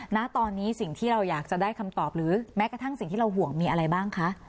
ณตอนนี้สิ่งที่เราอยากจะได้คำตอบหรือแม้กระทั่งสิ่งที่เราห่วงมีอะไรบ้างคะ